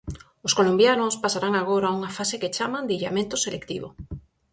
Os colombianos pasarán agora a unha fase que chaman de illamento selectivo.